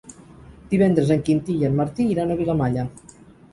Divendres en Quintí i en Martí iran a Vilamalla.